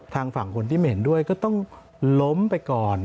ทางฝั่งคนที่ไม่เห็นด้วยก็ต้องล้มไปก่อน